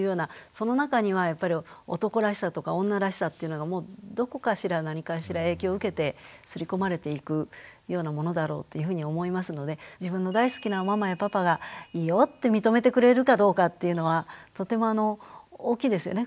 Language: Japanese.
その中にはやっぱり男らしさとか女らしさっていうのがどこかしら何かしら影響を受けてすり込まれていくようなものだろうというふうに思いますので自分の大好きなママやパパがいいよって認めてくれるかどうかっていうのはとても大きいですよね。